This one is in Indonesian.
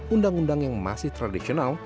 undang undang yang masih tradisional